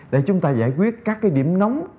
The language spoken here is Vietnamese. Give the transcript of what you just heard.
để chúng ta giải quyết các cái điểm nóng